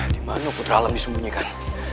di mana putra alam disembunyikan